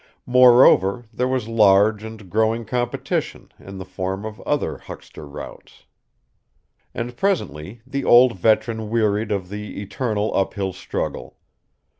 Moreover, there was large and growing competition, in the form of other huckster routes. And presently the old veteran wearied of the eternal uphill struggle.